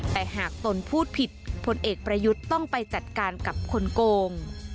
แต่หากตนพูดผิดพลเอกประยุทธ์ต้องไปจัดการกับคนโกง